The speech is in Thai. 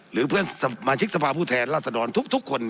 หรือเพื่อนสมาชิกสภาพผู้แทนราษฎรทุกคน